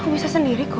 aku bisa sendiri kok